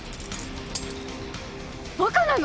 バカなの！？